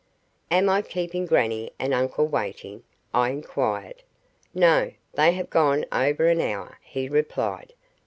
"Am I keeping grannie and uncle waiting?" I inquired. "No. They have gone over an hour," he replied.